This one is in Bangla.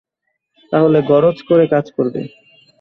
তাহলে গরজ করে কাজ করবে।